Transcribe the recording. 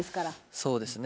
そうですね。